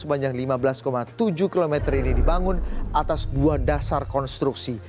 sepanjang lima belas tujuh km ini dibangun atas dua dasar konstruksi